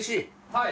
はい。